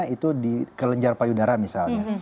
itu di kelenjar payudara misalnya